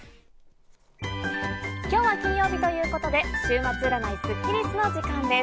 今日は金曜日ということで週末占いスッキりすの時間です。